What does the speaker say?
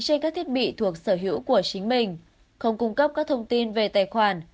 trên các thiết bị thuộc sở hữu của chính mình không cung cấp các thông tin về tài khoản